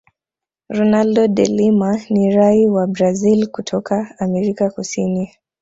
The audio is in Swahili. ronaldo delima ni rai wa brazil kutoka amerika kusini